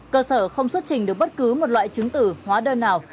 cơ sở không xuất trình được bất cứ một loại chứng tử hóa đơn nào